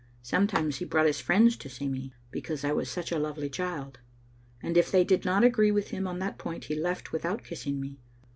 * Sometimes he brought his friends to see me, 'because I was such a lovely child,' and if they did not agree with him on that point he left without kissing me.